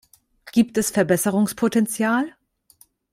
Gibt es Verbesserungspotenzial?